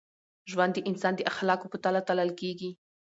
ژوند د انسان د اخلاقو په تله تلل کېږي.